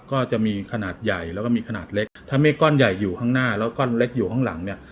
ก็จะมีขนาดใหญ่แล้วก็มีขนาดเล็กถ้าเมฆก้อนใหญ่อยู่ข้างหน้าแล้วก้อนเล็กอยู่ข้างหลังเนี่ย